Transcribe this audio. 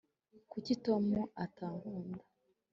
kuki tom atankunda